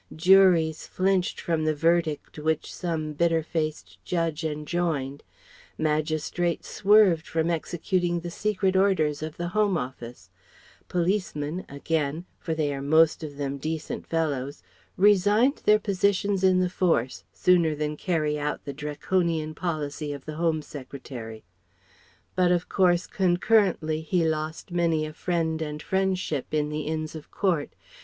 Juries flinched from the verdict which some bitter faced judge enjoined; magistrates swerved from executing the secret orders of the Home Office; policemen again for they are most of them decent fellows resigned their positions in the Force, sooner than carry out the draconian policy of the Home Secretary. But of course concurrently he lost many a friend and friendship in the Inns of Court.